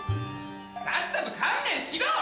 さっさと観念しろ！